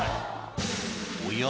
おや？